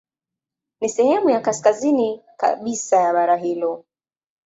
Ni sehemu ya kaskazini kabisa ya bara hilo.